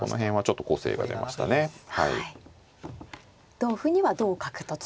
同歩には同角と取って。